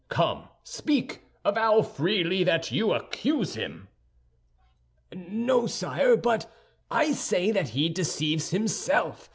Come, speak; avow freely that you accuse him!" "No, sire, but I say that he deceives himself.